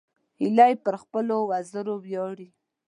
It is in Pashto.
هیلۍ پر خپلو وزرو ویاړي